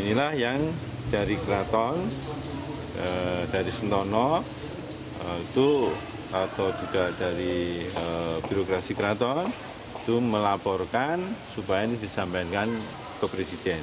inilah yang dari keraton dari sentono atau juga dari birokrasi keraton itu melaporkan supaya ini disampaikan ke presiden